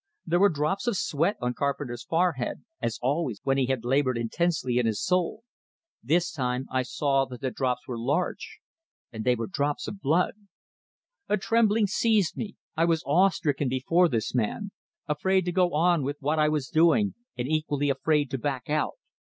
There were drops of sweat on Carpenter's forehead, as always when he had labored intensely in his soul. This time I saw that the drops were large, and they were drops of blood! A trembling seized me. I was awe stricken before this man afraid to go on with what I was doing, and equally afraid to back out.